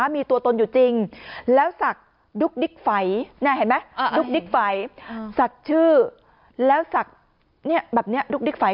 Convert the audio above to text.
มีตัวตนอยู่จริงแล้วศักดุ๊กดิ๊กไฝศักดุ๊กดิ๊กไฝศักชื่อแล้วศักดุ๊กดิ๊กไฝ